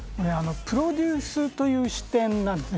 プロデュースという視点なんです。